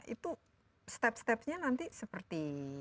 itu step stepnya nanti seperti